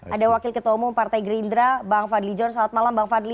ada wakil ketua umum partai gerindra bang fadli john selamat malam bang fadli